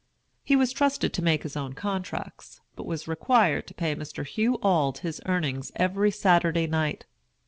He was trusted to make his own contracts, but was required to pay Mr. Hugh Auld his earnings every Saturday night.